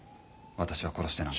私は殺してなんか。